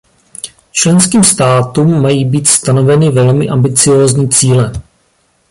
Členským státům mají být stanoveny velmi ambiciózní cíle.